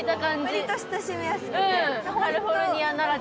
割りと親しみやすくて。